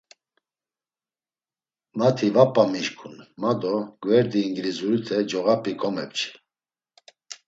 Mati va p̌a mişǩun, ma do gverdi İngiluzurite coğap̌i komepçi.